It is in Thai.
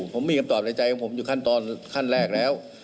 ผมก็มีคำตอบในใจของข้างเมื่อขั้นแรกแล้ว